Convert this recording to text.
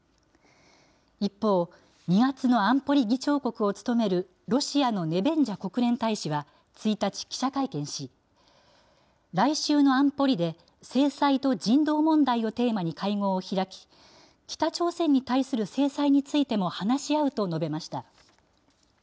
一方、２月の安保理議長国を務めるロシアのネベンジャ国連大使は、１日、記者会見し、来週の安保理で、制裁と人道問題をテーマに会合を開き、北朝鮮に対する制裁についても話し合うと述べました。